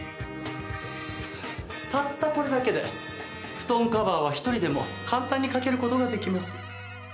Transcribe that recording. たったこれだけで布団カバーは１人でも簡単にかけることができます。